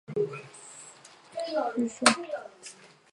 丰南站为桦太丰原市存在过之铁道省桦太东线之车站。